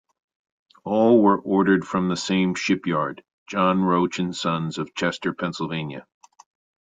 All were ordered from the same shipyard, John Roach and Sons of Chester, Pennsylvania.